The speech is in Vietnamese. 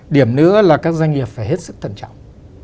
điểm nữa là các doanh nghiệp phải hết sức thận trọng